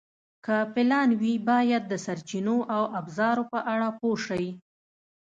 که پلان وي، باید د سرچینو او ابزارو په اړه پوه شئ.